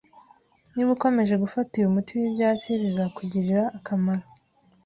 Niba ukomeje gufata uyu muti wibyatsi, bizakugirira akamaro